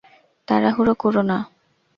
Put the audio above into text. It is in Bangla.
তাড়াহুড়ো কোরো না!